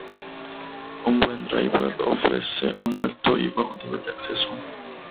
Un buen driver ofrece un alto y bajo nivel de acceso.